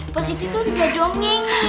positi tuh udah dongeng